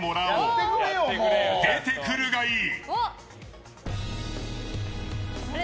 さあ、出てくるがいい！